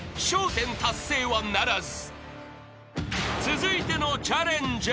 １０達成はならず］